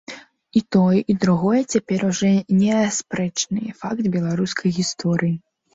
І тое, і другое цяпер ужо неаспрэчны факт беларускай гісторыі.